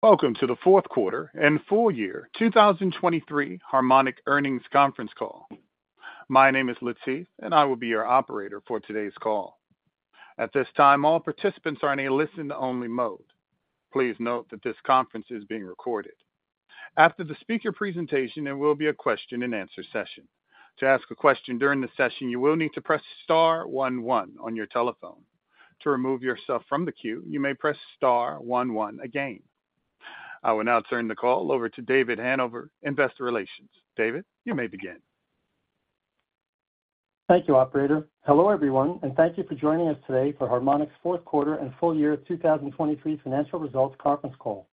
Welcome to the fourth quarter and full year 2023 Harmonic Earnings Conference Call. My name is Latif, and I will be your operator for today's call. At this time, all participants are in a listen-only mode. Please note that this conference is being recorded. After the speaker presentation, there will be a question-and-answer session. To ask a question during the session, you will need to press star one, one on your telephone. To remove yourself from the queue, you may press star one, one again. I will now turn the call over to David Hanover, Investor Relations. David, you may begin. Thank you, Operator. Hello, everyone, and thank you for joining us today for Harmonic's fourth quarter and full year 2023 financial results conference call.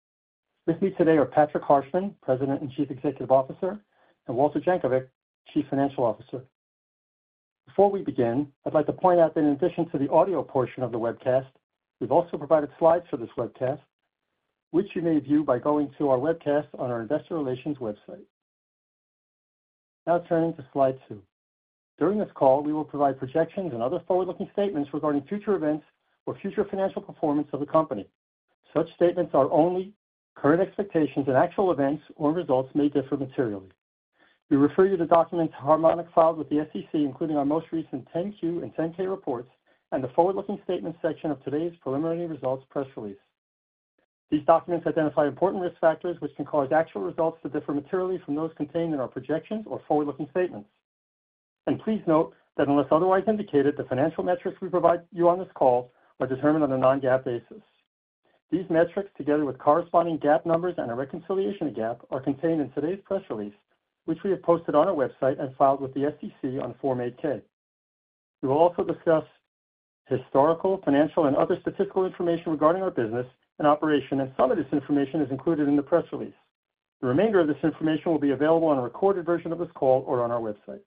With me today are Patrick Harshman, President and Chief Executive Officer, and Walter Jankovic, Chief Financial Officer. Before we begin, I'd like to point out that in addition to the audio portion of the webcast, we've also provided slides for this webcast, which you may view by going to our webcast on our investor relations website. Now turning to slide 2. During this call, we will provide projections and other forward-looking statements regarding future events or future financial performance of the company. Such statements are only current expectations, and actual events or results may differ materially. We refer you to documents Harmonic filed with the SEC, including our most recent 10-Q and 10-K reports, and the forward-looking statement section of today's preliminary results press release. These documents identify important risk factors which can cause actual results to differ materially from those contained in our projections or forward-looking statements. Please note that unless otherwise indicated, the financial metrics we provide you on this call are determined on a non-GAAP basis. These metrics, together with corresponding GAAP numbers and a reconciliation to GAAP, are contained in today's press release, which we have posted on our website and filed with the SEC on Form 8-K. We will also discuss historical, financial, and other statistical information regarding our business and operation, and some of this information is included in the press release. The remainder of this information will be available on a recorded version of this call or on our website.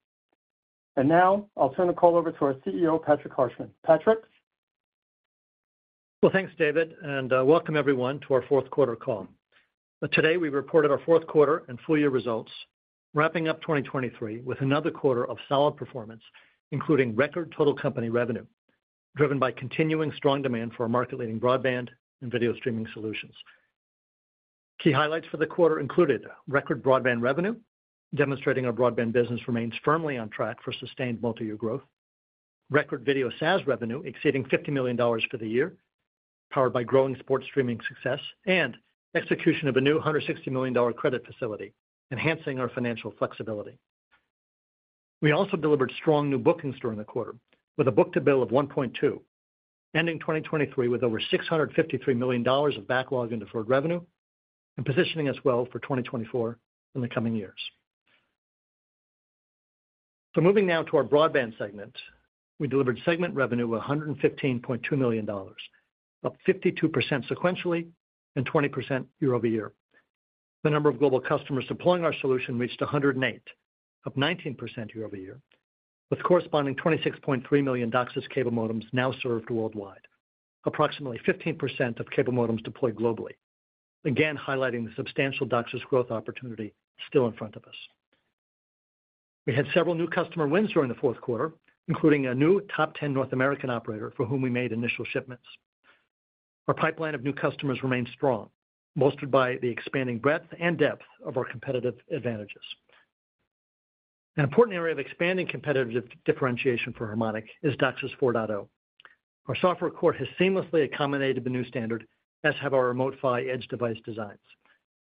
And now I'll turn the call over to our CEO, Patrick Harshman. Patrick? Well, thanks, David, and welcome everyone to our fourth quarter call. Today, we reported our fourth quarter and full year results, wrapping up 2023 with another quarter of solid performance, including record total company revenue, driven by continuing strong demand for our market-leading broadband and video streaming solutions. Key highlights for the quarter included: record broadband revenue, demonstrating our broadband business remains firmly on track for sustained multi-year growth. Record video SaaS revenue exceeding $50 million for the year, powered by growing sports streaming success and execution of a new $160 million credit facility, enhancing our financial flexibility. We also delivered strong new bookings during the quarter with a book-to-bill of 1.2, ending 2023 with over $653 million of backlog and deferred revenue, and positioning us well for 2024 and the coming years. Moving now to our broadband segment. We delivered segment revenue of $115.2 million, up 52% sequentially and 20% year-over-year. The number of global customers deploying our solution reached 108, up 19% year-over-year, with corresponding 26.3 million DOCSIS cable modems now served worldwide, approximately 15% of cable modems deployed globally. Again, highlighting the substantial DOCSIS growth opportunity still in front of us. We had several new customer wins during the fourth quarter, including a new top ten North American operator for whom we made initial shipments. Our pipeline of new customers remains strong, bolstered by the expanding breadth and depth of our competitive advantages. An important area of expanding competitive differentiation for Harmonic is DOCSIS 4.0. Our software core has seamlessly accommodated the new standard, as have our Remote PHY edge device designs.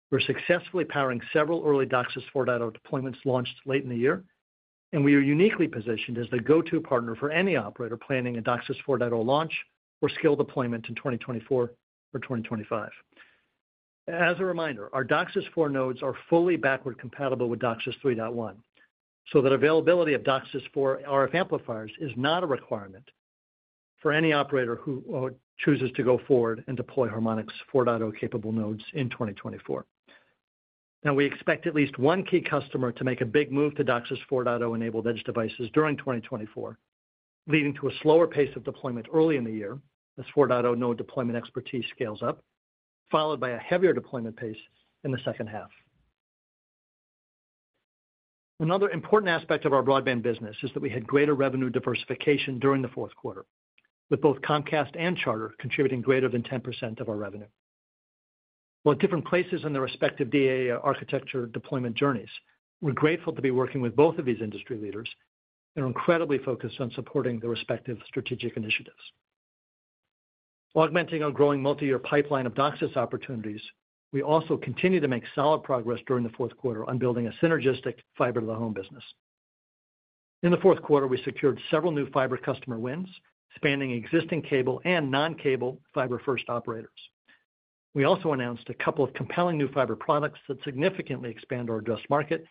We're successfully powering several early DOCSIS 4.0 deployments launched late in the year, and we are uniquely positioned as the go-to partner for any operator planning a DOCSIS 4.0 launch or scale deployment in 2024 or 2025. As a reminder, our DOCSIS 4.0 nodes are fully backward compatible with DOCSIS 3.1, so that availability of DOCSIS 4.0 RF amplifiers is not a requirement for any operator who chooses to go forward and deploy Harmonic's 4.0 capable nodes in 2024. Now, we expect at least one key customer to make a big move to DOCSIS 4.0-enabled edge devices during 2024, leading to a slower pace of deployment early in the year as 4.0 node deployment expertise scales up, followed by a heavier deployment pace in the second half. Another important aspect of our broadband business is that we had greater revenue diversification during the fourth quarter, with both Comcast and Charter contributing greater than 10% of our revenue. While at different places in their respective DA architecture deployment journeys, we're grateful to be working with both of these industry leaders and are incredibly focused on supporting their respective strategic initiatives. Augmenting our growing multi-year pipeline of DOCSIS opportunities, we also continued to make solid progress during the fourth quarter on building a synergistic fiber-to-the-home business. In the fourth quarter, we secured several new fiber customer wins, spanning existing cable and non-cable fiber-first operators. We also announced a couple of compelling new fiber products that significantly expand our address market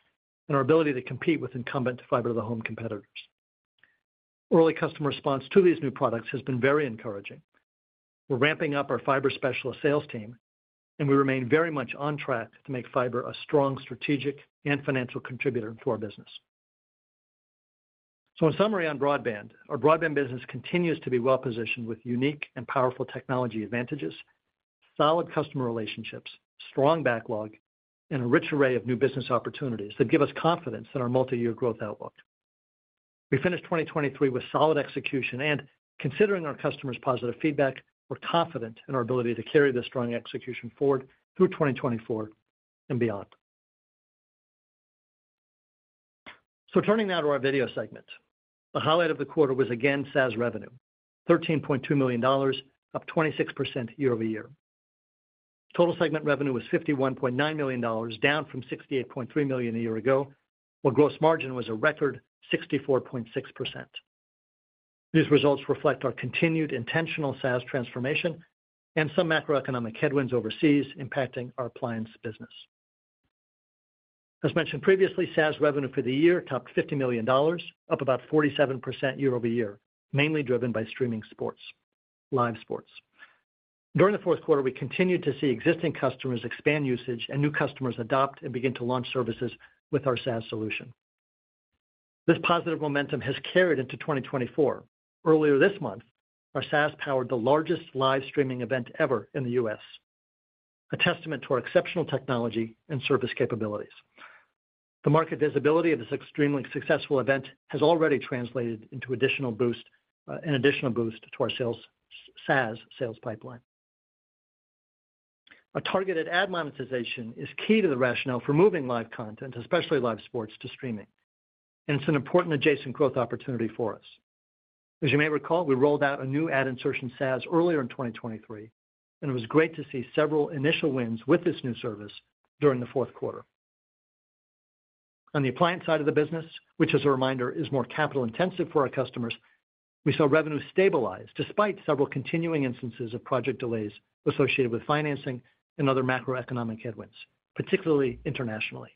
and our ability to compete with incumbent fiber-to-the-home competitors. Early customer response to these new products has been very encouraging. We're ramping up our fiber specialist sales team, and we remain very much on track to make fiber a strong strategic and financial contributor to our business. So in summary on broadband, our broadband business continues to be well positioned with unique and powerful technology advantages, solid customer relationships, strong backlog, and a rich array of new business opportunities that give us confidence in our multi-year growth outlook. We finished 2023 with solid execution, and considering our customers' positive feedback, we're confident in our ability to carry this strong execution forward through 2024 and beyond. So turning now to our video segment. The highlight of the quarter was, again, SaaS revenue, $13.2 million, up 26% year-over-year. Total segment revenue was $51.9 million, down from $68.3 million a year ago, while gross margin was a record 64.6%. These results reflect our continued intentional SaaS transformation and some macroeconomic headwinds overseas impacting our appliance business. As mentioned previously, SaaS revenue for the year topped $50 million, up about 47% year-over-year, mainly driven by streaming sports, live sports. During the fourth quarter, we continued to see existing customers expand usage and new customers adopt and begin to launch services with our SaaS solution. This positive momentum has carried into 2024. Earlier this month, our SaaS powered the largest live streaming event ever in the U.S., a testament to our exceptional technology and service capabilities. The market visibility of this extremely successful event has already translated into additional boost, an additional boost to our sales, SaaS sales pipeline. A targeted ad monetization is key to the rationale for moving live content, especially live sports, to streaming, and it's an important adjacent growth opportunity for us. As you may recall, we rolled out a new ad insertion, SaaS, earlier in 2023, and it was great to see several initial wins with this new service during the fourth quarter. On the appliance side of the business, which as a reminder, is more capital-intensive for our customers, we saw revenue stabilize despite several continuing instances of project delays associated with financing and other macroeconomic headwinds, particularly internationally.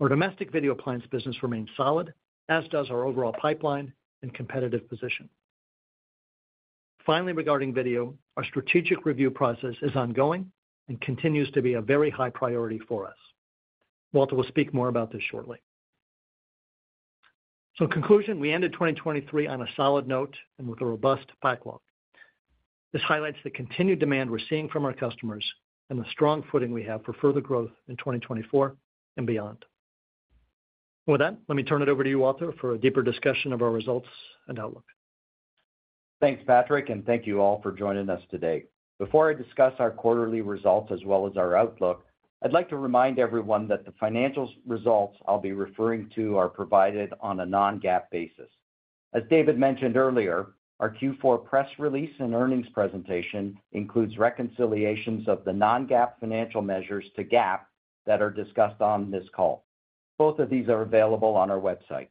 Our domestic video appliance business remains solid, as does our overall pipeline and competitive position. Finally, regarding video, our strategic review process is ongoing and continues to be a very high priority for us. Walter will speak more about this shortly. In conclusion, we ended 2023 on a solid note and with a robust backlog. This highlights the continued demand we're seeing from our customers and the strong footing we have for further growth in 2024 and beyond. With that, let me turn it over to you, Walter, for a deeper discussion of our results and outlook. Thanks, Patrick, and thank you all for joining us today. Before I discuss our quarterly results as well as our outlook, I'd like to remind everyone that the financial results I'll be referring to are provided on a non-GAAP basis. As David mentioned earlier, our Q4 press release and earnings presentation includes reconciliations of the non-GAAP financial measures to GAAP that are discussed on this call. Both of these are available on our website.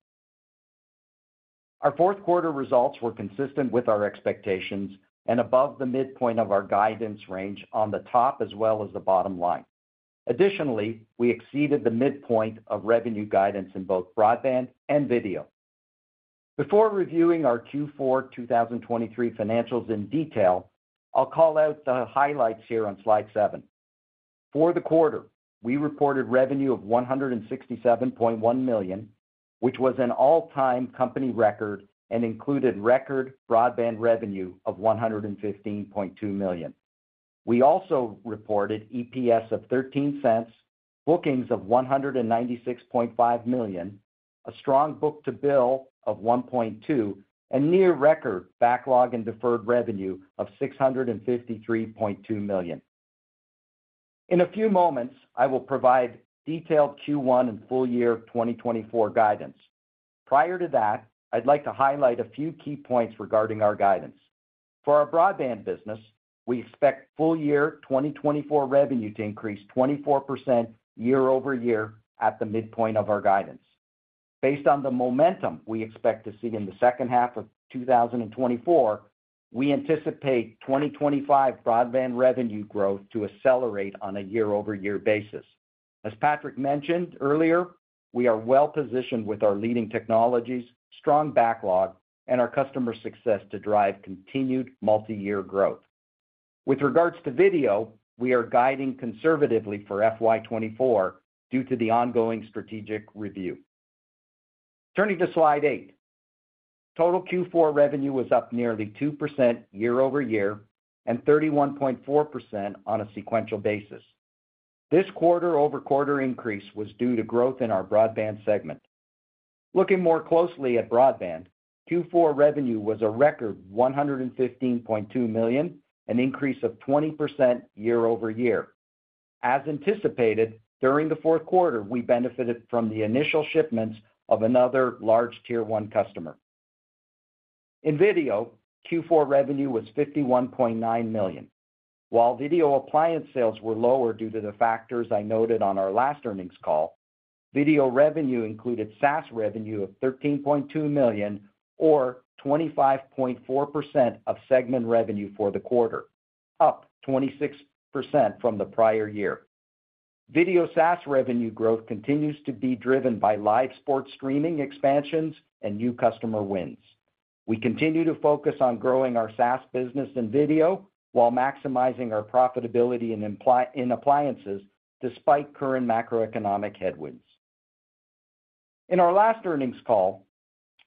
Our fourth quarter results were consistent with our expectations and above the midpoint of our guidance range on the top as well as the bottom line. Additionally, we exceeded the midpoint of revenue guidance in both broadband and video. Before reviewing our Q4 2023 financials in detail, I'll call out the highlights here on slide seven. For the quarter, we reported revenue of $167.1 million, which was an all-time company record and included record broadband revenue of $115.2 million. We also reported EPS of $0.13, bookings of $196.5 million, a strong book-to-bill of 1.2, and near record backlog and deferred revenue of $653.2 million. In a few moments, I will provide detailed Q1 and full year 2024 guidance. Prior to that, I'd like to highlight a few key points regarding our guidance. For our broadband business, we expect full year 2024 revenue to increase 24% year-over-year at the midpoint of our guidance. Based on the momentum we expect to see in the second half of 2024, we anticipate 2025 broadband revenue growth to accelerate on a year-over-year basis. As Patrick mentioned earlier, we are well positioned with our leading technologies, strong backlog, and our customer success to drive continued multi-year growth. With regards to video, we are guiding conservatively for FY 2024 due to the ongoing strategic review. Turning to slide 8. Total Q4 revenue was up nearly 2% year-over-year and 31.4% on a sequential basis. This quarter-over-quarter increase was due to growth in our broadband segment. Looking more closely at broadband, Q4 revenue was a record $115.2 million, an increase of 20% year-over-year. As anticipated, during the fourth quarter, we benefited from the initial shipments of another large Tier 1 customer. In video, Q4 revenue was $51.9 million. While video appliance sales were lower due to the factors I noted on our last earnings call, video revenue included SaaS revenue of $13.2 million, or 25.4% of segment revenue for the quarter, up 26% from the prior year. Video SaaS revenue growth continues to be driven by live sports streaming expansions and new customer wins. We continue to focus on growing our SaaS business in video while maximizing our profitability in appliances, despite current macroeconomic headwinds. In our last earnings call,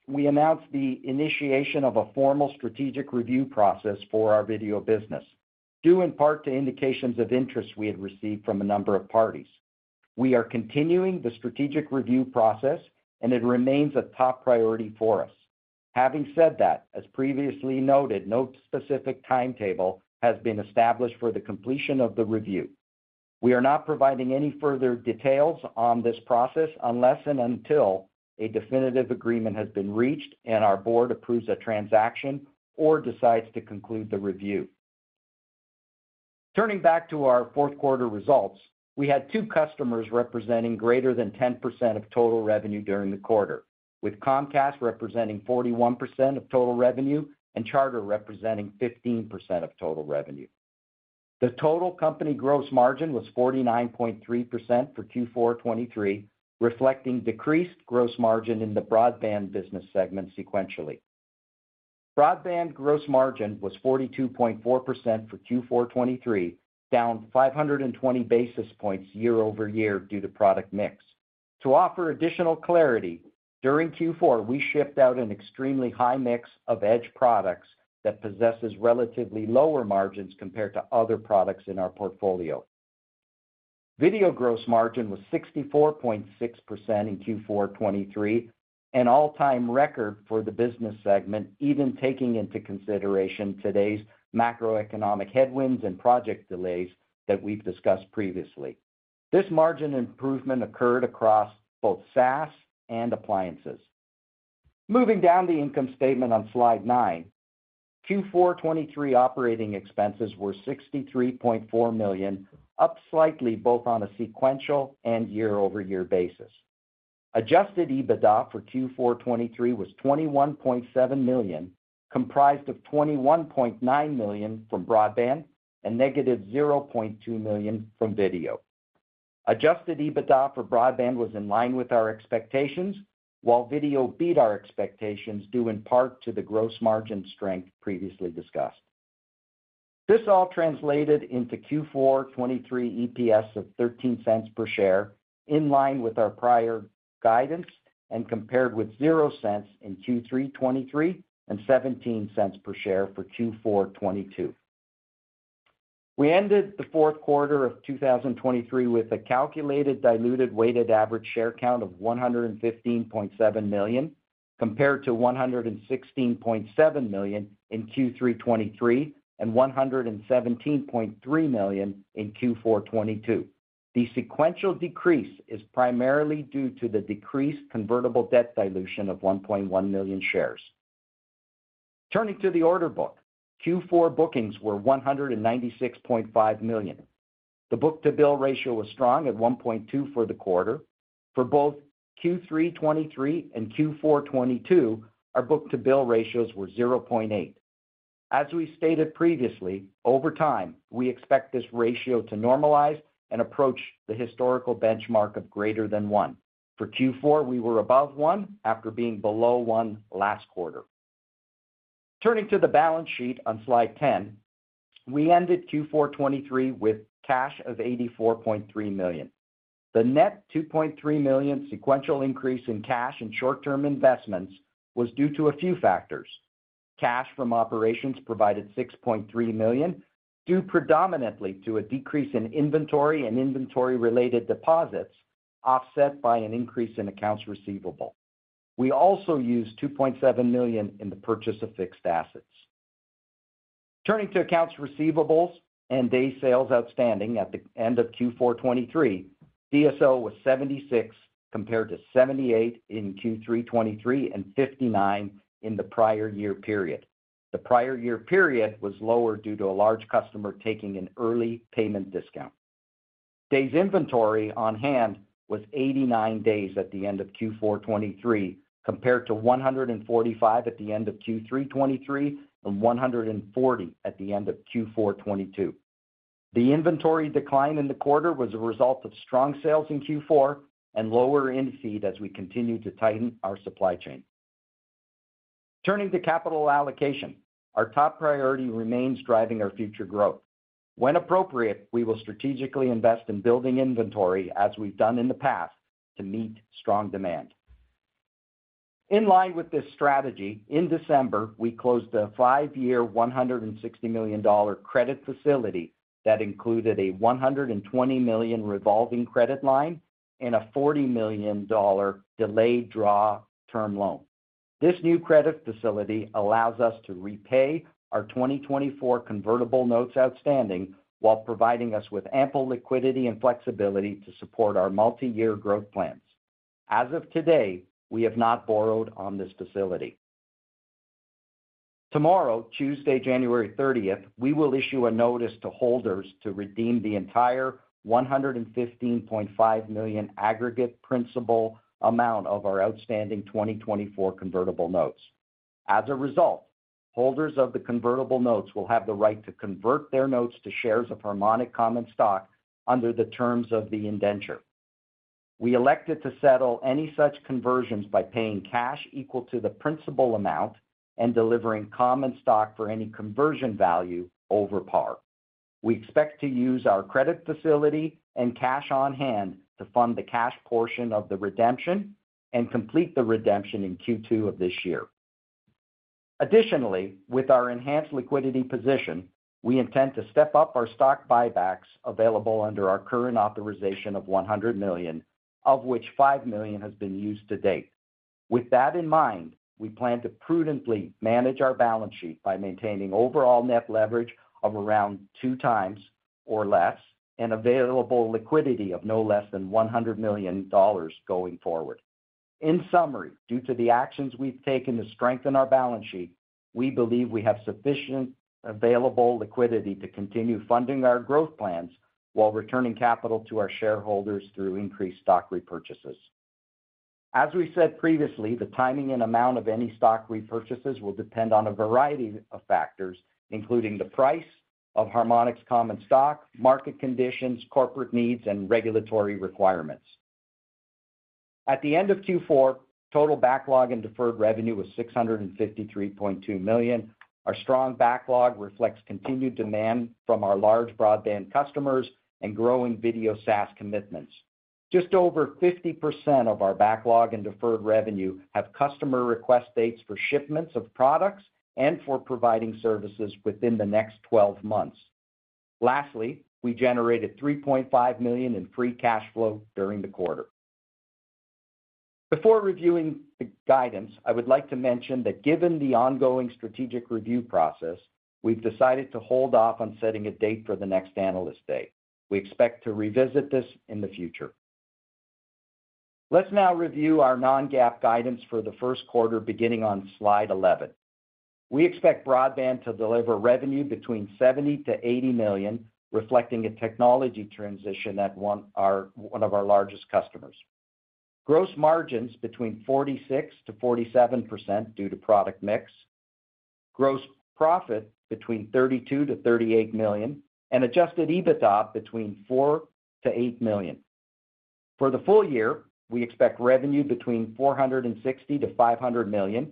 we announced the initiation of a formal strategic review process for our video business, due in part to indications of interest we had received from a number of parties.... We are continuing the strategic review process, and it remains a top priority for us. Having said that, as previously noted, no specific timetable has been established for the completion of the review. We are not providing any further details on this process unless and until a definitive agreement has been reached and our board approves a transaction or decides to conclude the review. Turning back to our fourth quarter results, we had two customers representing greater than 10% of total revenue during the quarter, with Comcast representing 41% of total revenue and Charter representing 15% of total revenue. The total company gross margin was 49.3% for Q4 2023, reflecting decreased gross margin in the broadband business segment sequentially. Broadband gross margin was 42.4% for Q4 2023, down 520 basis points year-over-year due to product mix. To offer additional clarity, during Q4, we shipped out an extremely high mix of edge products that possesses relatively lower margins compared to other products in our portfolio. Video gross margin was 64.6% in Q4 2023, an all-time record for the business segment, even taking into consideration today's macroeconomic headwinds and project delays that we've discussed previously. This margin improvement occurred across both SaaS and Appliances. Moving down the income statement on slide 9, Q4 2023 operating expenses were $63.4 million, up slightly both on a sequential and year-over-year basis. Adjusted EBITDA for Q4 2023 was $21.7 million, comprised of $21.9 million from broadband and -$0.2 million from video. Adjusted EBITDA for broadband was in line with our expectations, while video beat our expectations, due in part to the gross margin strength previously discussed. This all translated into Q4 2023 EPS of $0.13 per share, in line with our prior guidance and compared with $0.00 in Q3 2023 and $0.17 per share for Q4 2022. We ended the fourth quarter of 2023 with a calculated diluted weighted average share count of 115.7 million, compared to 116.7 million in Q3 2023 and 117.3 million in Q4 2022. The sequential decrease is primarily due to the decreased convertible debt dilution of 1.1 million shares. Turning to the order book, Q4 bookings were $196.5 million. The book-to-bill ratio was strong at 1.2x for the quarter. For both Q3 2023 and Q4 2022, our book-to-bill ratios were 0.8x. As we stated previously, over time, we expect this ratio to normalize and approach the historical benchmark of greater than one. For Q4, we were above one after being below one last quarter. Turning to the balance sheet on slide 10, we ended Q4 2023 with cash of $84.3 million. The net $2.3 million sequential increase in cash and short-term investments was due to a few factors. Cash from operations provided $6.3 million, due predominantly to a decrease in inventory and inventory-related deposits, offset by an increase in accounts receivable. We also used $2.7 million in the purchase of fixed assets. Turning to accounts receivable and Days Sales Outstanding at the end of Q4 2023, DSO was 76, compared to 78 in Q3 2023 and 59 in the prior year period. The prior year period was lower due to a large customer taking an early payment discount. Days Inventory on Hand was 89 days at the end of Q4 2023, compared to 145 days at the end of Q3 2023 and 140 days at the end of Q4 2022. The inventory decline in the quarter was a result of strong sales in Q4 and lower in-feed as we continue to tighten our supply chain. Turning to capital allocation. Our top priority remains driving our future growth. When appropriate, we will strategically invest in building inventory, as we've done in the past, to meet strong demand. In line with this strategy, in December, we closed a 5-year, $160 million credit facility that included a $120 million revolving credit line and a $40 million delayed draw term loan. This new credit facility allows us to repay our 2024 convertible notes outstanding, while providing us with ample liquidity and flexibility to support our multiyear growth plans. As of today, we have not borrowed on this facility. Tomorrow, Tuesday, January 30th, we will issue a notice to holders to redeem the entire $115.5 million aggregate principal amount of our outstanding 2024 convertible notes. As a result, holders of the convertible notes will have the right to convert their notes to shares of Harmonic common stock under the terms of the indenture. We elected to settle any such conversions by paying cash equal to the principal amount and delivering common stock for any conversion value over par. We expect to use our credit facility and cash on hand to fund the cash portion of the redemption and complete the redemption in Q2 of this year. Additionally, with our enhanced liquidity position, we intend to step up our stock buybacks available under our current authorization of $100 million, of which $5 million has been used to date. With that in mind, we plan to prudently manage our balance sheet by maintaining overall net leverage of around 2x or less, and available liquidity of no less than $100 million going forward. In summary, due to the actions we've taken to strengthen our balance sheet, we believe we have sufficient available liquidity to continue funding our growth plans while returning capital to our shareholders through increased stock repurchases. As we said previously, the timing and amount of any stock repurchases will depend on a variety of factors, including the price of Harmonic's common stock, market conditions, corporate needs, and regulatory requirements. At the end of Q4, total backlog and deferred revenue was $653.2 million. Our strong backlog reflects continued demand from our large broadband customers and growing video SaaS commitments. Just over 50% of our backlog and deferred revenue have customer request dates for shipments of products and for providing services within the next 12 months. Lastly, we generated $3.5 million in free cash flow during the quarter. Before reviewing the guidance, I would like to mention that given the ongoing strategic review process, we've decided to hold off on setting a date for the next Analyst Day. We expect to revisit this in the future. Let's now review our non-GAAP guidance for the first quarter, beginning on slide 11. We expect broadband to deliver revenue between $70 million-$80 million, reflecting a technology transition at one of our largest customers. Gross margins between 46%-47% due to product mix, gross profit between $32 million-$38 million, and adjusted EBITDA between $4 million-$8 million. For the full year, we expect revenue between $460 million-$500 million,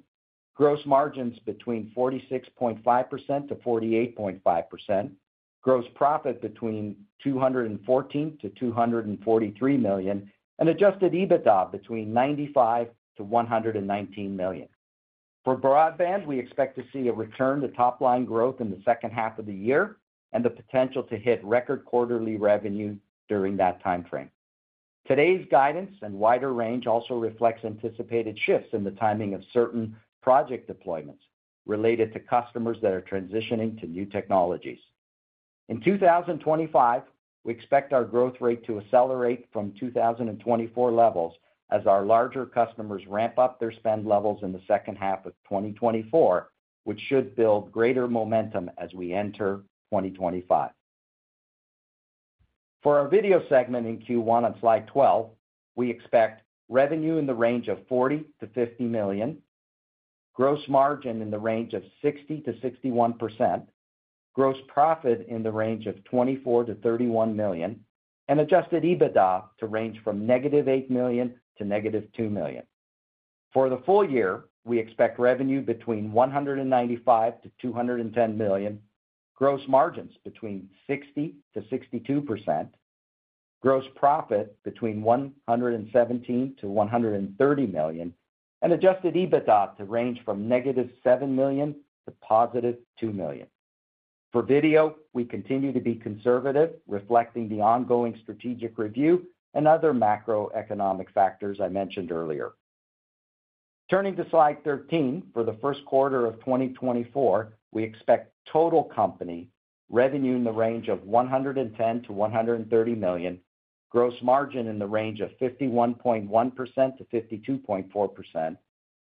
gross margins between 46.5%-48.5%, gross profit between $214 million-$243 million, and adjusted EBITDA between $95 million-$119 million. For broadband, we expect to see a return to top-line growth in the second half of the year and the potential to hit record quarterly revenue during that time frame. Today's guidance and wider range also reflects anticipated shifts in the timing of certain project deployments related to customers that are transitioning to new technologies. In 2025, we expect our growth rate to accelerate from 2024 levels as our larger customers ramp up their spend levels in the second half of 2024, which should build greater momentum as we enter 2025. For our video segment in Q1 on slide 12, we expect revenue in the range of $40 million-$50 million, gross margin in the range of 60%-61%, gross profit in the range of $24 million-$31 million, and Adjusted EBITDA to range from -$8 million to -$2 million. For the full year, we expect revenue between $195 million-$210 million, gross margins between 60%-62%, gross profit between $117 million-$130 million, and Adjusted EBITDA to range from -$7 million to $2 million. For video, we continue to be conservative, reflecting the ongoing strategic review and other macroeconomic factors I mentioned earlier. Turning to slide 13, for the first quarter of 2024, we expect total company revenue in the range of $110 million-$130 million, gross margin in the range of 51.1%-52.4%,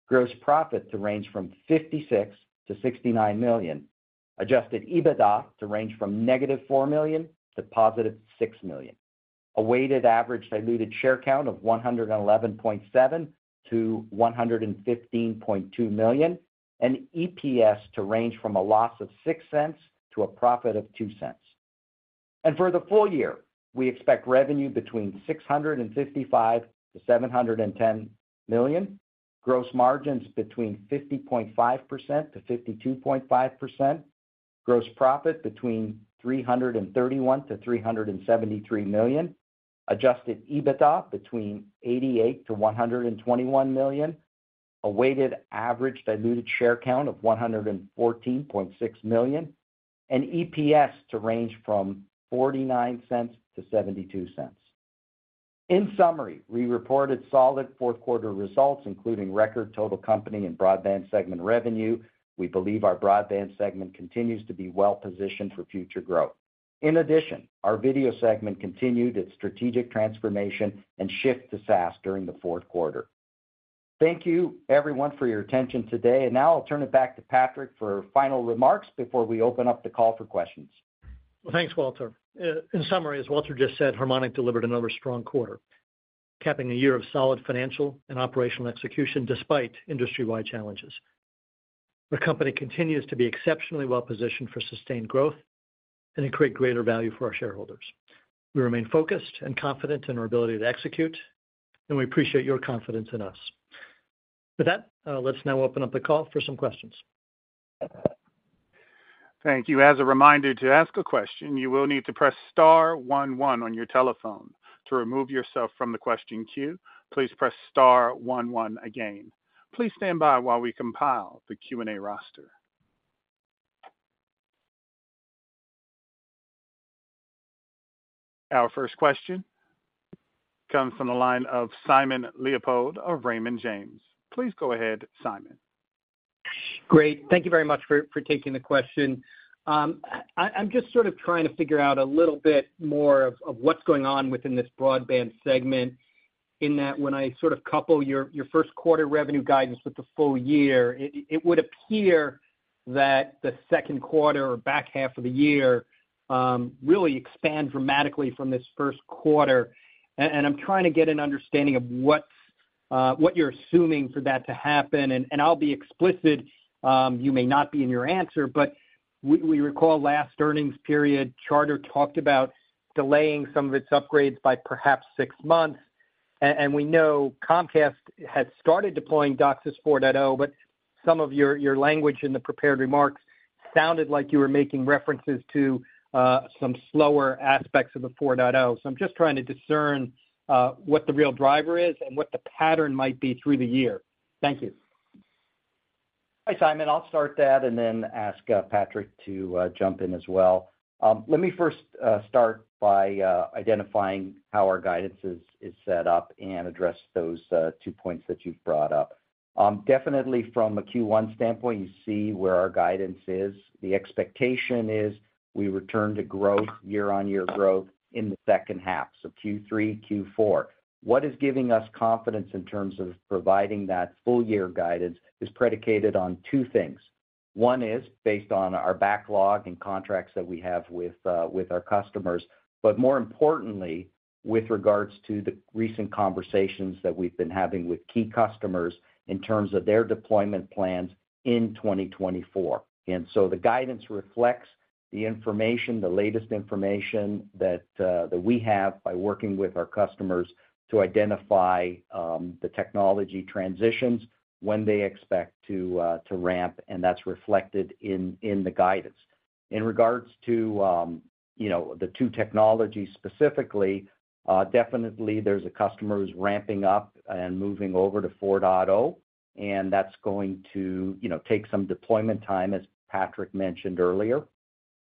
gross profit to range from $56 million-$69 million, Adjusted EBITDA to range from -$4 million to $6 million, a weighted average diluted share count of 111.7 million-115.2 million, and EPS to range from a loss of $0.06 to a profit of $0.02. For the full year, we expect revenue between $655 million-$710 million, gross margins between 50.5%-52.5%, gross profit between $331 million-$373 million, Adjusted EBITDA between $88 million-$121 million, a weighted average diluted share count of 114.6 million, and EPS to range from $0.49-$0.72. In summary, we reported solid fourth quarter results, including record total company and broadband segment revenue. We believe our broadband segment continues to be well positioned for future growth. In addition, our video segment continued its strategic transformation and shift to SaaS during the fourth quarter. Thank you, everyone, for your attention today. Now I'll turn it back to Patrick for final remarks before we open up the call for questions. Well, thanks, Walter. In summary, as Walter just said, Harmonic delivered another strong quarter, capping a year of solid financial and operational execution despite industry-wide challenges. The company continues to be exceptionally well positioned for sustained growth and to create greater value for our shareholders. We remain focused and confident in our ability to execute, and we appreciate your confidence in us. With that, let's now open up the call for some questions.... Thank you. As a reminder, to ask a question, you will need to press star one one on your telephone. To remove yourself from the question queue, please press star one one again. Please stand by while we compile the Q&A roster. Our first question comes from the line of Simon Leopold of Raymond James. Please go ahead, Simon. Great. Thank you very much for taking the question. I'm just sort of trying to figure out a little bit more of what's going on within this broadband segment, in that when I sort of couple your first quarter revenue guidance with the full year, it would appear that the second quarter or back half of the year really expand dramatically from this first quarter. And I'm trying to get an understanding of what's what you're assuming for that to happen, and I'll be explicit, you may not be in your answer, but we recall last earnings period, Charter talked about delaying some of its upgrades by perhaps six months. And we know Comcast had started deploying DOCSIS 4.0, but some of your language in the prepared remarks sounded like you were making references to some slower aspects of the 4.0. So I'm just trying to discern what the real driver is and what the pattern might be through the year. Thank you. Hi, Simon. I'll start that and then ask Patrick to jump in as well. Let me first start by identifying how our guidance is set up and address those 2 points that you've brought up. Definitely from a Q1 standpoint, you see where our guidance is. The expectation is we return to growth, year-on-year growth, in the second half, so Q3, Q4. What is giving us confidence in terms of providing that full year guidance is predicated on 2 things. 1 is based on our backlog and contracts that we have with our customers, but more importantly, with regards to the recent conversations that we've been having with key customers in terms of their deployment plans in 2024. And so the guidance reflects the information, the latest information, that we have by working with our customers to identify the technology transitions when they expect to ramp, and that's reflected in the guidance. In regards to, you know, the two technologies specifically, definitely there's a customer who's ramping up and moving over to 4.0, and that's going to, you know, take some deployment time, as Patrick mentioned earlier.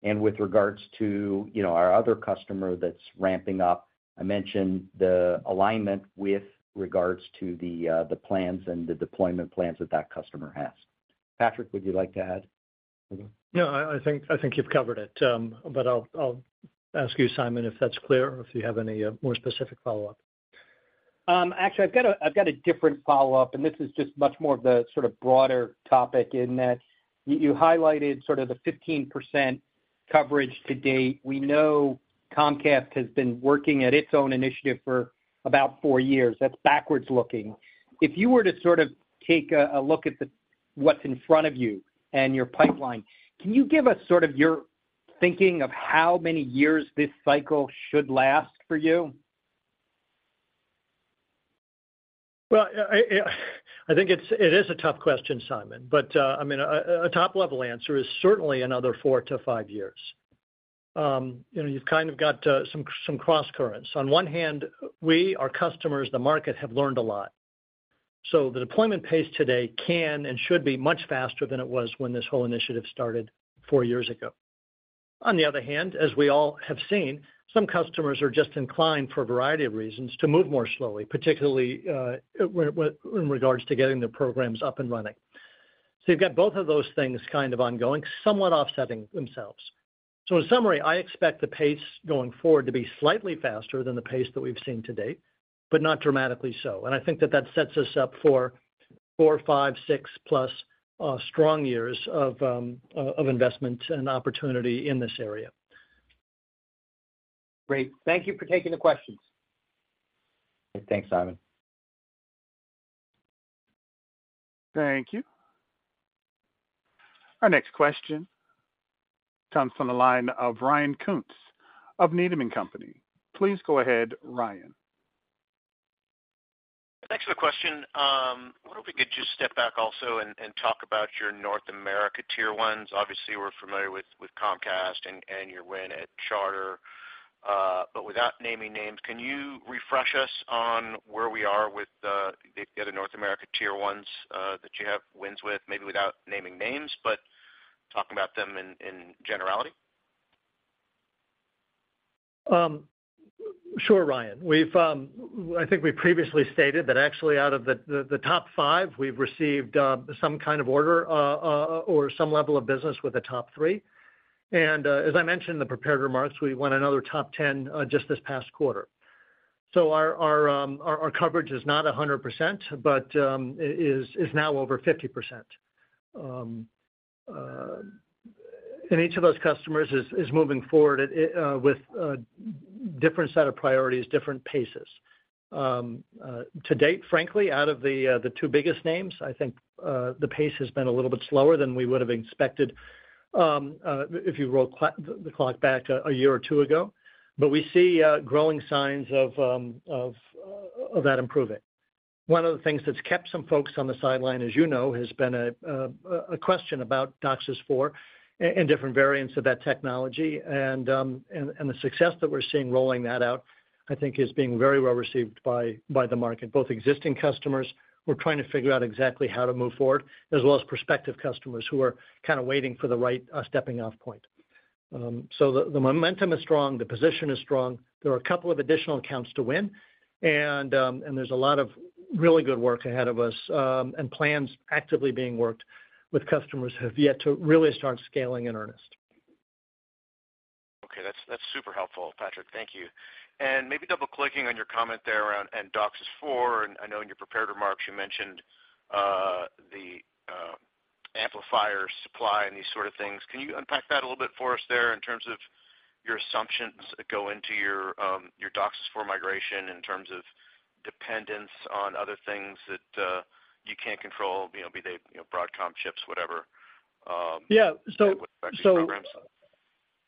And with regards to, you know, our other customer that's ramping up, I mentioned the alignment with regards to the plans and the deployment plans that that customer has. Patrick, would you like to add anything? No, I think you've covered it. But I'll ask you, Simon, if that's clear, or if you have any more specific follow-up. Actually, I've got a different follow-up, and this is just much more of the sort of broader topic in that you highlighted sort of the 15% coverage to date. We know Comcast has been working at its own initiative for about 4 years. That's backwards looking. If you were to sort of take a look at what's in front of you and your pipeline, can you give us sort of your thinking of how many years this cycle should last for you? Well, I think it is a tough question, Simon, but I mean, a top-level answer is certainly another 4-5 years. You know, you've kind of got some crosscurrents. On one hand, our customers, the market, have learned a lot. So the deployment pace today can and should be much faster than it was when this whole initiative started 4 years ago. On the other hand, as we all have seen, some customers are just inclined, for a variety of reasons, to move more slowly, particularly when in regards to getting the programs up and running. So you've got both of those things kind of ongoing, somewhat offsetting themselves. So in summary, I expect the pace going forward to be slightly faster than the pace that we've seen to date, but not dramatically so. I think that that sets us up for 4, 5, 6+ strong years of investment and opportunity in this area. Great. Thank you for taking the questions. Thanks, Simon. Thank you. Our next question comes from the line of Ryan Koontz of Needham & Company. Please go ahead, Ryan. Thanks for the question. I wonder if we could just step back also and talk about your North America Tier 1s. Obviously, we're familiar with Comcast and your win at Charter. But without naming names, can you refresh us on where we are with the other North America Tier 1s that you have wins with, maybe without naming names, but talking about them in generality? Sure, Ryan. We've, I think we previously stated that actually out of the top five, we've received some kind of order or some level of business with the top three. As I mentioned in the prepared remarks, we won another top 10 just this past quarter. Our coverage is not 100%, but it is now over 50%. And each of those customers is moving forward at with a different set of priorities, different paces. To date, frankly, out of the two biggest names, I think the pace has been a little bit slower than we would have expected if you roll the clock back a year or two ago. But we see growing signs of that improving. One of the things that's kept some folks on the sideline, as you know, has been a question about DOCSIS 4.0 and different variants of that technology. And the success that we're seeing rolling that out, I think, is being very well received by the market, both existing customers, who are trying to figure out exactly how to move forward, as well as prospective customers who are kind of waiting for the right stepping-off point. So the momentum is strong, the position is strong. There are a couple of additional accounts to win, and there's a lot of really good work ahead of us, and plans actively being worked with customers who have yet to really start scaling in earnest. Okay, that's super helpful, Patrick. Thank you. And maybe double-clicking on your comment there around DOCSIS 4.0, and I know in your prepared remarks, you mentioned the amplifier supply and these sort of things. Can you unpack that a little bit for us there in terms of your assumptions that go into your DOCSIS 4.0 migration, in terms of dependence on other things that you can't control, you know, be they, you know, Broadcom chips, whatever- Yeah, so- With respect to programs.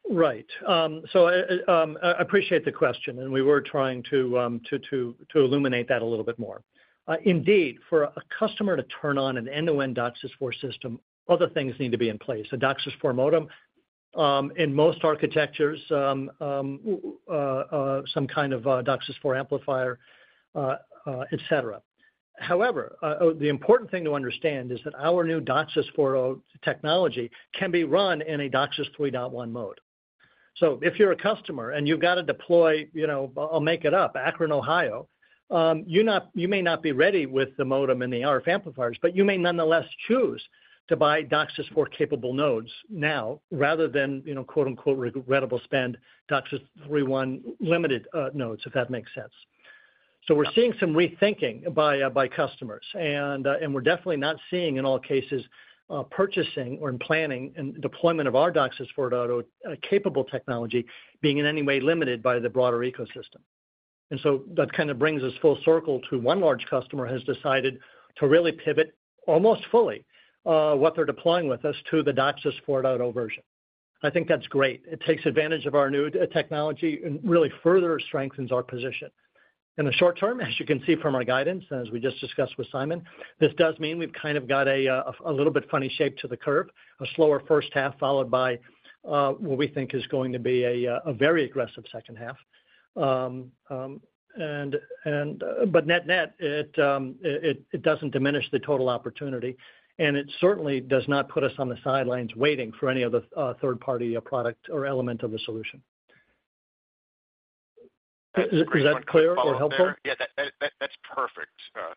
Right. So, I appreciate the question, and we were trying to illuminate that a little bit more. Indeed, for a customer to turn on an end-to-end DOCSIS 4.0 system, other things need to be in place, a DOCSIS 4.0 modem, in most architectures, some kind of a DOCSIS 4.0 amplifier, et cetera. However, the important thing to understand is that our new DOCSIS 4.0 technology can be run in a DOCSIS 3.1 mode. So if you're a customer and you've got to deploy, you know, I'll make it up, Akron, Ohio, you may not be ready with the modem and the RF amplifiers, but you may nonetheless choose to buy DOCSIS 4.0-capable nodes now, rather than, you know, quote, unquote, "regrettable" spend DOCSIS 3.1 limited nodes, if that makes sense. We're seeing some rethinking by by customers. And and we're definitely not seeing, in all cases, purchasing or planning and deployment of our DOCSIS 4.0 capable technology being in any way limited by the broader ecosystem. And so that kind of brings us full circle to one large customer has decided to really pivot, almost fully, what they're deploying with us to the DOCSIS 4.0 version. I think that's great. It takes advantage of our new technology and really further strengthens our position. In the short term, as you can see from our guidance, as we just discussed with Simon, this does mean we've kind of got a a little bit funny shape to the curve, a slower first half, followed by what we think is going to be a a very aggressive second half. But net-net, it doesn't diminish the total opportunity, and it certainly does not put us on the sidelines waiting for any other third-party product or element of the solution. Is that clear or helpful? Yeah, that's perfect,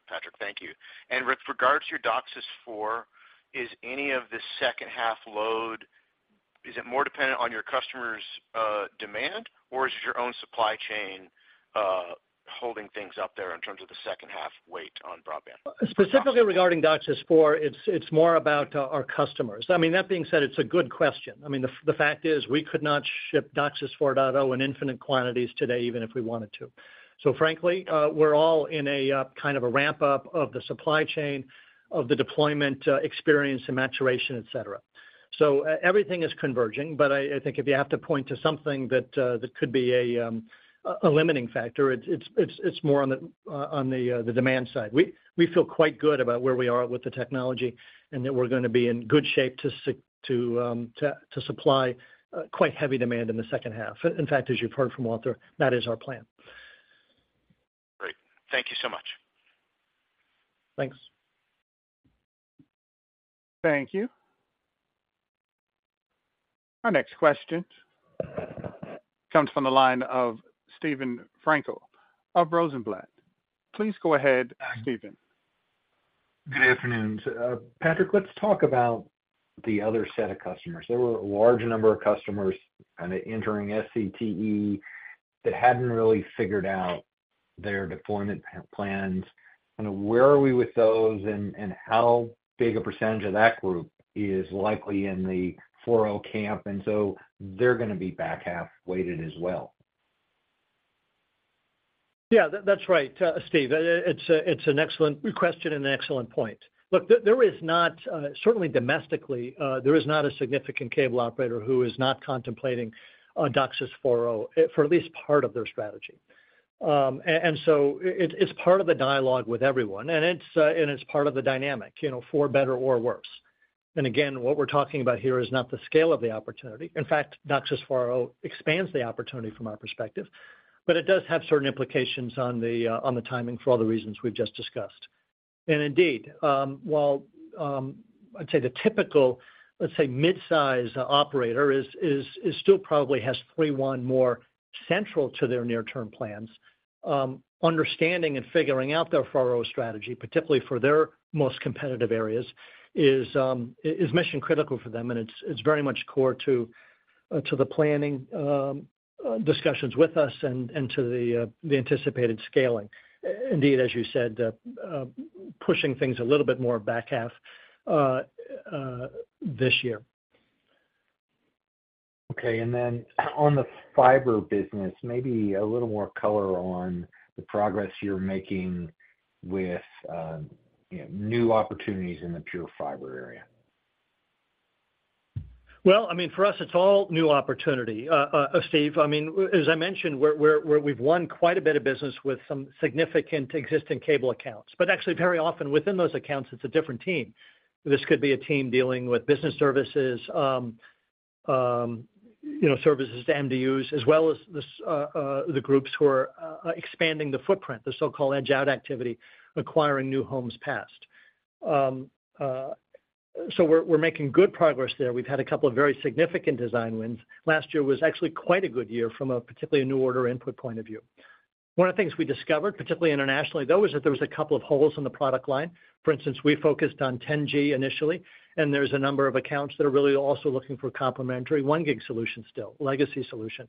Patrick. Thank you. And with regards to your DOCSIS 4.0, is any of the second half load more dependent on your customers' demand, or is it your own supply chain holding things up there in terms of the second half weight on broadband? Specifically regarding DOCSIS 4.0, it's more about our customers. I mean, that being said, it's a good question. I mean, the fact is, we could not ship DOCSIS 4.0 in infinite quantities today, even if we wanted to. So frankly, we're all in a kind of a ramp-up of the supply chain, of the deployment, experience and maturation, et cetera. So everything is converging, but I think if you have to point to something that could be a limiting factor, it's more on the demand side. We feel quite good about where we are with the technology, and that we're going to be in good shape to supply quite heavy demand in the second half. In fact, as you've heard from Walter, that is our plan. Great. Thank you so much. Thanks. Thank you. Our next question comes from the line of Steven Frankel of Rosenblatt. Please go ahead, Steven. Good afternoon. Patrick, let's talk about the other set of customers. There were a large number of customers kind of entering SCTE that hadn't really figured out their deployment plans. Kind of where are we with those, and, and how big a percentage of that group is likely in the 4.0 camp, and so they're going to be back half weighted as well? Yeah, that's right, Steve. It's an excellent question and an excellent point. Look, certainly domestically, there is not a significant cable operator who is not contemplating a DOCSIS 4.0 for at least part of their strategy. It's part of the dialogue with everyone, and it's part of the dynamic, you know, for better or worse. And again, what we're talking about here is not the scale of the opportunity. In fact, DOCSIS 4.0 expands the opportunity from our perspective, but it does have certain implications on the timing for all the reasons we've just discussed. And indeed, while I'd say the typical, let's say, mid-size operator is still probably has 3.1 more central to their near-term plans, understanding and figuring out their 4.0 strategy, particularly for their most competitive areas, is mission critical for them, and it's very much core to the planning discussions with us and to the anticipated scaling. Indeed, as you said, pushing things a little bit more back half this year. Okay, and then on the fiber business, maybe a little more color on the progress you're making with, you know, new opportunities in the pure fiber area. ... Well, I mean, for us, it's all new opportunity, Steve. I mean, as I mentioned, we've won quite a bit of business with some significant existing cable accounts. But actually, very often within those accounts, it's a different team. This could be a team dealing with business services, you know, services to MDUs, as well as the groups who are expanding the footprint, the so-called edge-out activity, acquiring new homes passed. So we're making good progress there. We've had a couple of very significant design wins. Last year was actually quite a good year from a particularly a new order input point of view. One of the things we discovered, particularly internationally, though, is that there was a couple of holes in the product line. For instance, we focused on 10G initially, and there's a number of accounts that are really also looking for complementary 1 gig solution still, legacy solution.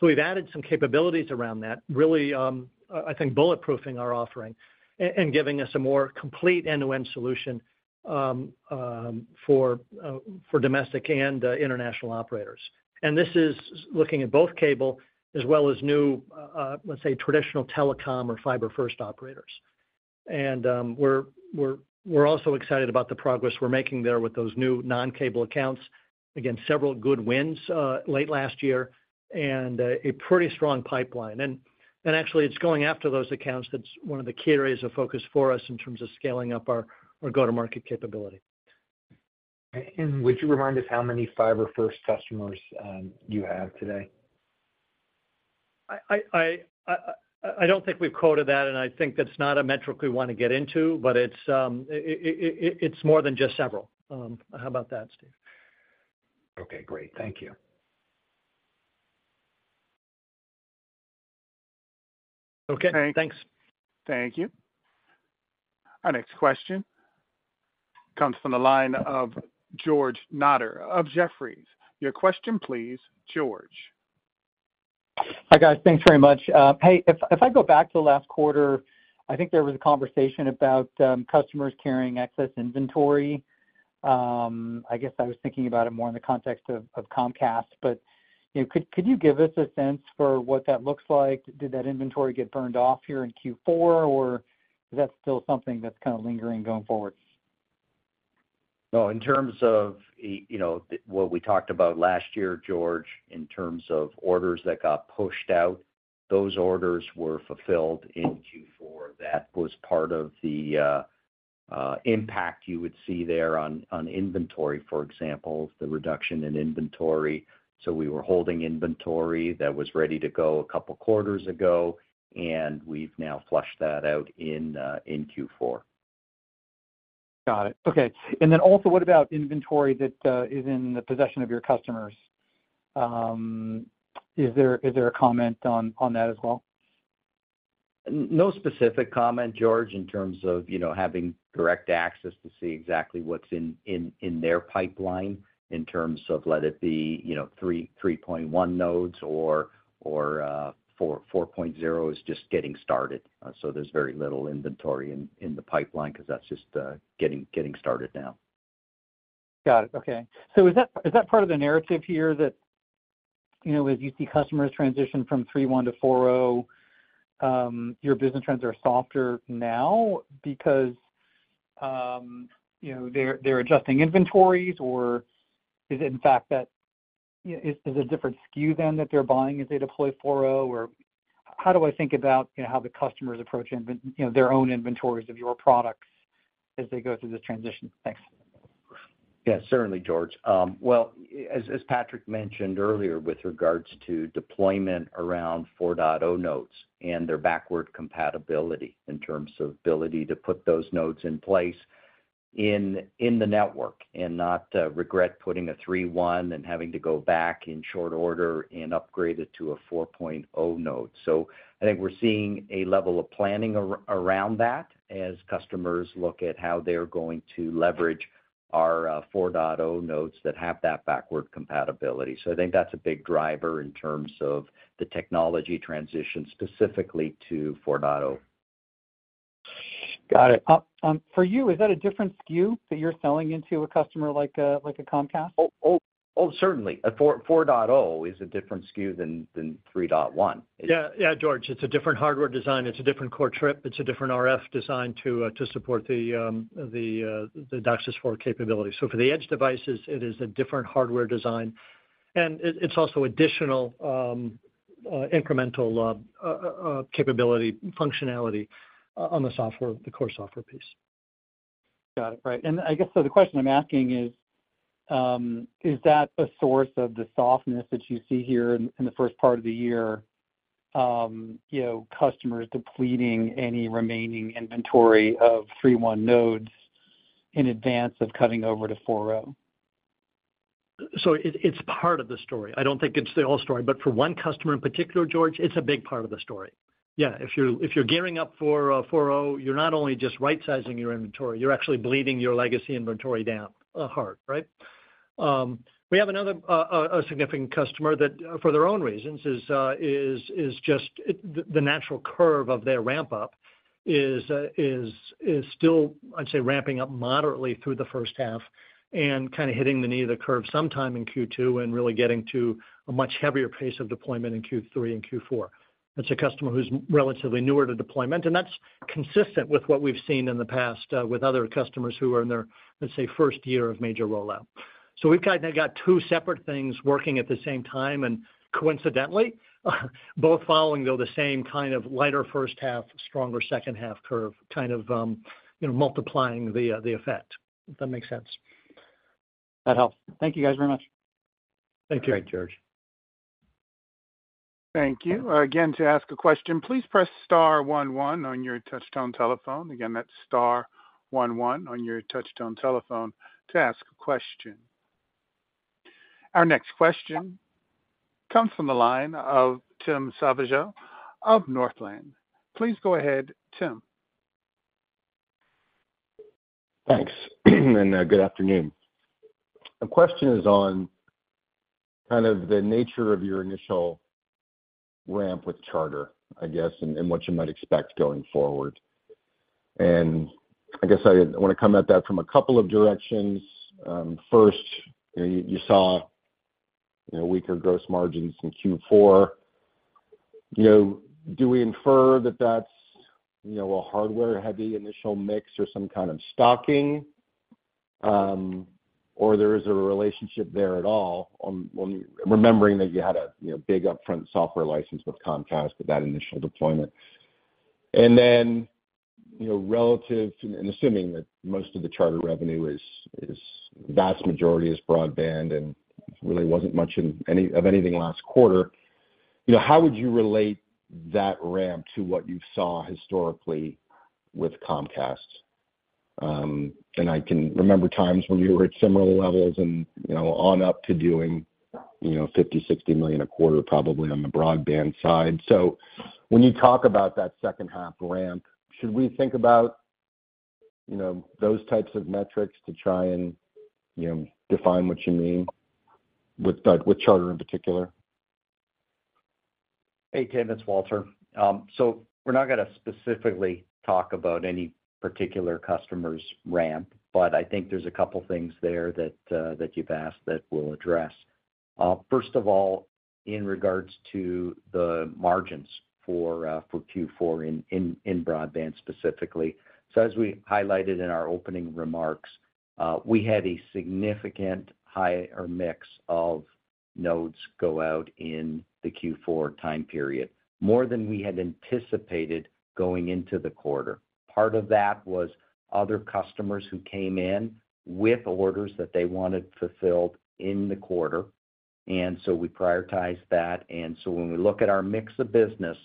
So we've added some capabilities around that, really, I think bulletproofing our offering and giving us a more complete end-to-end solution, for domestic and international operators. And this is looking at both cable as well as new, let's say, traditional telecom or fiber-first operators. And, we're also excited about the progress we're making there with those new non-cable accounts. Again, several good wins, late last year and a pretty strong pipeline. And actually, it's going after those accounts, that's one of the key areas of focus for us in terms of scaling up our go-to-market capability. Would you remind us how many fiber-first customers you have today? I don't think we've quoted that, and I think that's not a metric we want to get into, but it's more than just several. How about that, Steve? Okay, great. Thank you. Okay, thanks. Thank you. Our next question comes from the line of George Notter of Jefferies. Your question, please, George. Hi, guys. Thanks very much. Hey, if I go back to the last quarter, I think there was a conversation about customers carrying excess inventory. I guess I was thinking about it more in the context of Comcast, but you know, could you give us a sense for what that looks like? Did that inventory get burned off here in Q4, or is that still something that's kind of lingering going forward? No, in terms of, you know, what we talked about last year, George, in terms of orders that got pushed out, those orders were fulfilled in Q4. That was part of the impact you would see there on, inventory, for example, the reduction in inventory. So we were holding inventory that was ready to go a couple of quarters ago, and we've now flushed that out in Q4. Got it. Okay. And then also, what about inventory that is in the possession of your customers? Is there a comment on that as well? No specific comment, George, in terms of, you know, having direct access to see exactly what's in their pipeline in terms of let it be, you know, 3.1 nodes or... 4.0 is just getting started. So there's very little inventory in the pipeline because that's just getting started now. Got it. Okay. So is that part of the narrative here that, you know, as you see customers transition from 3.1 to 4.0, your business trends are softer now because, you know, they're adjusting inventories? Or is it, in fact, that a different SKU than that they're buying as they deploy 4.0? Or how do I think about, you know, how the customers approach you know, their own inventories of your products as they go through this transition? Thanks. Yeah, certainly, George. Well, as Patrick mentioned earlier, with regards to deployment around 4.0 nodes and their backward compatibility in terms of ability to put those nodes in place in the network and not regret putting a 3.1 and having to go back in short order and upgrade it to a 4.0 node. So I think we're seeing a level of planning around that as customers look at how they're going to leverage our 4.0 nodes that have that backward compatibility. So I think that's a big driver in terms of the technology transition, specifically to 4.0. Got it. For you, is that a different SKU that you're selling into a customer like a, like a Comcast? Certainly. A 4.0 is a different SKU than 3.1. Yeah, yeah, George, it's a different hardware design. It's a different core chip. It's a different RF design to support the DOCSIS 4.0 capability. So for the edge devices, it is a different hardware design, and it's also additional incremental capability, functionality on the software, the core software piece. Got it. Right. And I guess, so the question I'm asking is, is that a source of the softness that you see here in, in the first part of the year? You know, customers depleting any remaining inventory of 3.1 nodes in advance of cutting over to 4.0. So it, it's part of the story. I don't think it's the whole story, but for one customer in particular, George, it's a big part of the story. Yeah, if you're gearing up for 4.0, you're not only just right-sizing your inventory, you're actually bleeding your legacy inventory down hard, right? We have another significant customer that, for their own reasons, is the natural curve of their ramp-up is still, I'd say, ramping up moderately through the first half and kind of hitting the knee of the curve sometime in Q2 and really getting to a much heavier pace of deployment in Q3 and Q4. That's a customer who's relatively newer to deployment, and that's consistent with what we've seen in the past with other customers who are in their, let's say, first year of major rollout.... So we've kind of got two separate things working at the same time, and coincidentally, both following, though, the same kind of lighter first half, stronger second half curve, kind of you know, multiplying the effect, if that makes sense. That helps. Thank you, guys, very much. Thank you. All right, George. Thank you. Again, to ask a question, please press star one one on your touch-tone telephone. Again, that's star one one on your touch-tone telephone to ask a question. Our next question comes from the line of Tim Savageaux of Northland. Please go ahead, Tim. Thanks, and good afternoon. The question is on kind of the nature of your initial ramp with Charter, I guess, and what you might expect going forward. I guess I wanna come at that from a couple of directions. First, you saw, you know, weaker gross margins in Q4. You know, do we infer that that's, you know, a hardware-heavy initial mix or some kind of stocking, or there is a relationship there at all, when remembering that you had a, you know, big upfront software license with Comcast at that initial deployment? And then, you know, relative and assuming that most of the Charter revenue is vast majority is broadband and really wasn't much of anything last quarter, you know, how would you relate that ramp to what you saw historically with Comcast? And I can remember times when you were at similar levels and, you know, on up to doing, you know, $50 million, $60 million a quarter, probably on the broadband side. So when you talk about that second half ramp, should we think about, you know, those types of metrics to try and, you know, define what you mean with, with Charter in particular? Hey, Tim, it's Walter. So we're not gonna specifically talk about any particular customer's ramp, but I think there's a couple things there that that you've asked that we'll address. First of all, in regards to the margins for Q4 in broadband specifically. So as we highlighted in our opening remarks, we had a significant higher mix of nodes go out in the Q4 time period, more than we had anticipated going into the quarter. Part of that was other customers who came in with orders that they wanted fulfilled in the quarter, and so we prioritized that. And so when we look at our mix of business,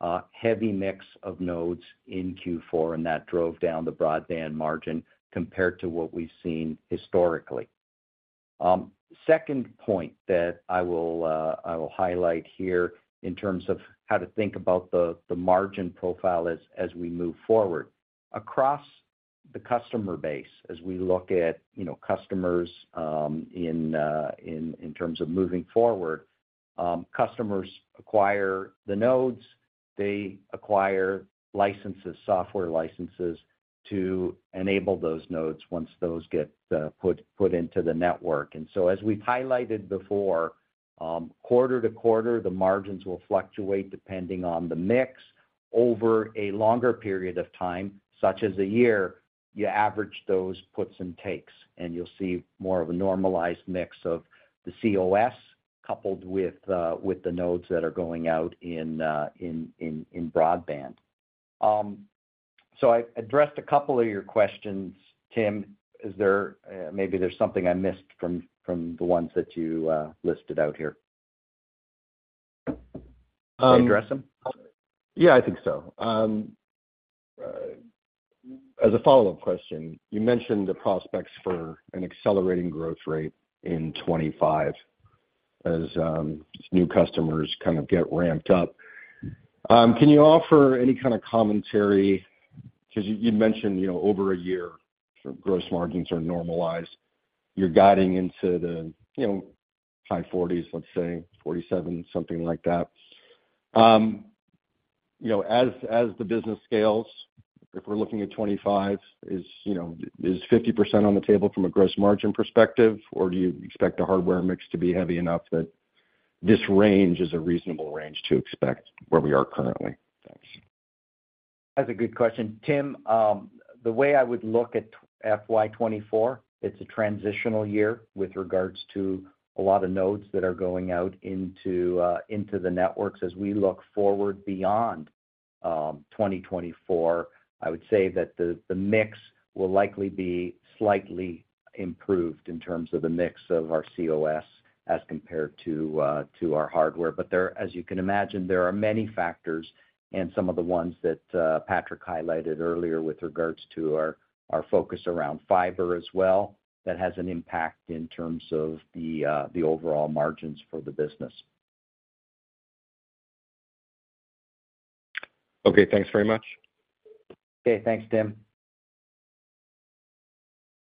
a heavy mix of nodes in Q4, and that drove down the broadband margin compared to what we've seen historically. Second point that I will, I will highlight here in terms of how to think about the margin profile as we move forward. Across the customer base, as we look at, you know, customers in terms of moving forward, customers acquire the nodes, they acquire licenses, software licenses, to enable those nodes once those get put into the network. So, as we've highlighted before, quarter to quarter, the margins will fluctuate depending on the mix. Over a longer period of time, such as a year, you average those puts and takes, and you'll see more of a normalized mix of the cOS, coupled with the nodes that are going out in broadband. So I addressed a couple of your questions, Tim. Is there maybe something I missed from the ones that you listed out here? Um. Did I address them? Yeah, I think so. As a follow-up question, you mentioned the prospects for an accelerating growth rate in 2025 as new customers kind of get ramped up. Can you offer any kind of commentary? 'Cause you mentioned, you know, over a year, gross margins are normalized. You're guiding into the, you know, high 40s, let's say 47, something like that. You know, as the business scales, if we're looking at 2025, is 50% on the table from a gross margin perspective, or do you expect the hardware mix to be heavy enough that this range is a reasonable range to expect where we are currently? Thanks. That's a good question. Tim, the way I would look at FY 2024, it's a transitional year with regards to a lot of nodes that are going out into, into the networks. As we look forward beyond, 2024, I would say that the, the mix will likely be slightly improved in terms of the mix of our cOS as compared to, to our hardware. But there, as you can imagine, there are many factors and some of the ones that, Patrick highlighted earlier with regards to our, our focus around fiber as well, that has an impact in terms of the, the overall margins for the business. Okay, thanks very much. Okay. Thanks, Tim.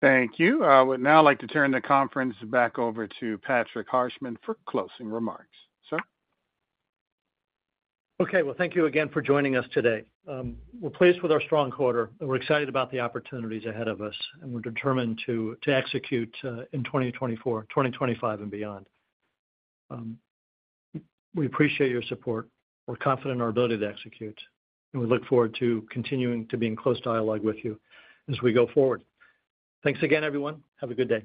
Thank you. I would now like to turn the conference back over to Patrick Harshman for closing remarks. Sir? Okay. Well, thank you again for joining us today. We're pleased with our strong quarter, and we're excited about the opportunities ahead of us, and we're determined to execute in 2024, 2025, and beyond. We appreciate your support. We're confident in our ability to execute, and we look forward to continuing to be in close dialogue with you as we go forward. Thanks again, everyone. Have a good day.